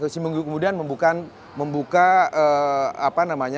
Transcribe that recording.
si bung deddy kemudian membuka apa namanya